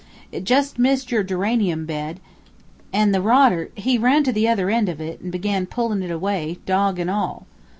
It just missed your geranium bed, and the rodder, he ran to the other end of it, and began pullin' it away, dog an' all.